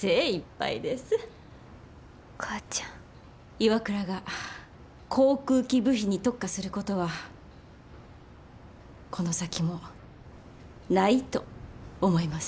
ＩＷＡＫＵＲＡが航空機部品に特化することはこの先もないと思います。